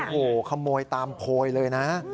โอ้โหขโมยตามโพยเลยนะ